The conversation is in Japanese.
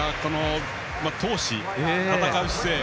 闘志、戦う姿勢。